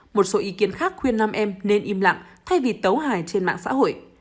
một số ý kiến khác khuyên nam em nên im lặng thay vì tấu hài trên mạng xã hội